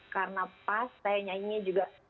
karena pas saya nyanyinya juga